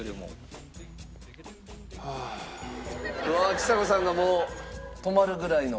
ちさ子さんがもう止まるぐらいの。